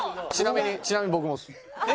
ちなみに僕もです。